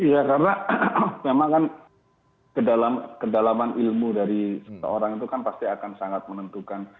ya karena memang kan kedalaman ilmu dari seseorang itu kan pasti akan sangat menentukan